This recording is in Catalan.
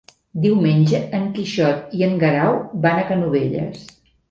Diumenge en Quixot i en Guerau van a Canovelles.